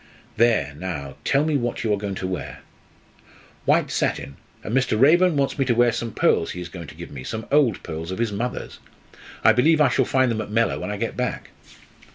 There, now, tell me what you are going to wear?" "White satin, and Mr. Raeburn wants me to wear some pearls he is going to give me, some old pearls of his mother's. I believe I shall find them at Mellor when I get back."